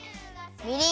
みりん。